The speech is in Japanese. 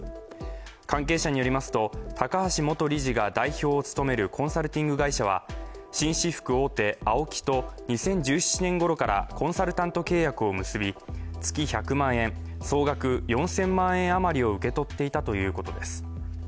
関係者によりますと、高橋元理事が代表を務めるコンサルティング会社は紳士服大手ＡＯＫＩと２０１７年ごろからコンサルタント契約を結び総額４０００万円あまりを受け取っていたということです。